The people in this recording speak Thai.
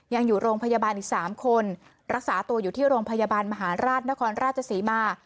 ยังอยู่โรงพยาบาลอีก๓คนรักษาตัวอยู่ที่โรงพยาบาลมหาราชนครราชศรีมา